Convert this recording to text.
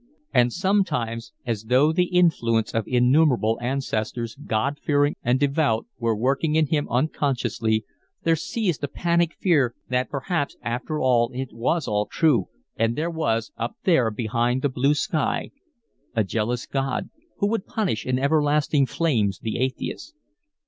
And sometimes, as though the influence of innumerable ancestors, Godfearing and devout, were working in him unconsciously, there seized him a panic fear that perhaps after all it was all true, and there was, up there behind the blue sky, a jealous God who would punish in everlasting flames the atheist.